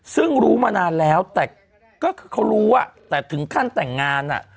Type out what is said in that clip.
ซึ่งรู้มานานแล้วแต่ก็คือเขารู้แต่ถึงขั้นแต่งงานอ่ะ